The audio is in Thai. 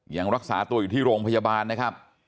ยังรักษาตัวอยู่ที่โรงพยาบาลนะครับ